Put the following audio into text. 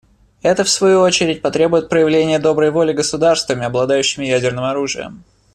Это, в свою очередь, потребует проявления доброй воли государствами, обладающими ядерным оружием.